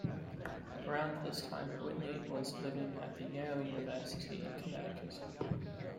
Around this time Whitney was living at Yale University in Connecticut.